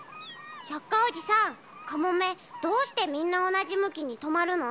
百科おじさんカモメどうしてみんなおなじむきにとまるの？